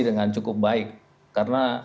dengan cukup baik karena